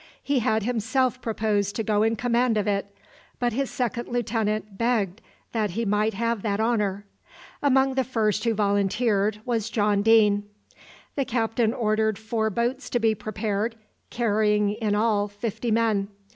He had himself proposed to go in command of it; but his second lieutenant begged that he might have that honour. Among the first who volunteered was John Deane. The captain ordered four boats to be prepared, carrying in all fifty men.